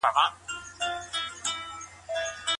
عدم برداشت يو ملت له عظمته راوغورځاوه.